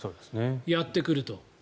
やってくると。